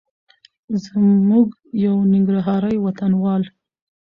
زموږ یو ننګرهاري وطنوال